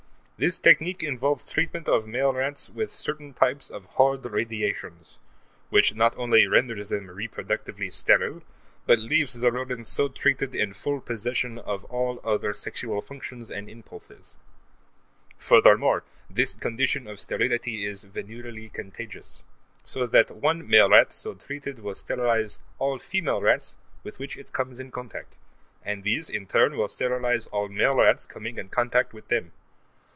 This technique involves treatment of male rats with certain types of hard radiations, which not only renders them reproductively sterile but leaves the rodents so treated in full possession of all other sexual functions and impulses. Furthermore, this condition of sterility is venereally contagious, so that one male rat so treated will sterilize all female rats with which it comes in contact, and these, in turn, will sterilize all male rats coming in contact with them.